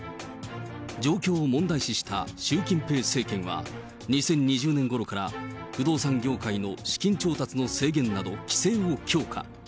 状況を問題視した習近平政権は、２０２０年ごろから不動産業界の資金調達の制限など、規制を強化。